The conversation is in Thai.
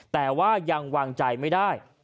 แต่ว่ายังวางใจไม่ได้